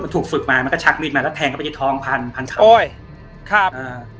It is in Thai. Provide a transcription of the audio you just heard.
ถูกฝึกมามันก็ชักมีดมาแล้วแทงเข้าไปที่ทองพันพันโอ้ยครับอ่า